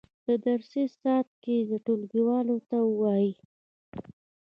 په درسي ساعت کې دې ټولګیوالو ته ووایي.